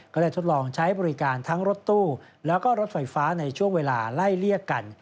ได้ทดลองใช้บริการทั้งรถตู้แล้วก็รถไฟฟ้าในช่วงเวลาไล่เลี่ยกัน